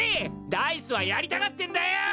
ダイスはやりたがってんだよ